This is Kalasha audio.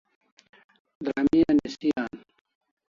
Dramia nisi an